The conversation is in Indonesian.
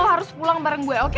lo harus pulang bareng gue oke